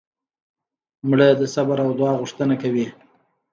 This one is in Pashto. مړه د صبر او دعا غوښتنه کوي